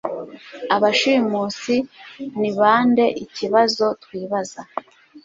Abashimusi ni bandeikibazo twibaza